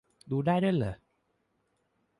ดูได้ด้วยเหรอ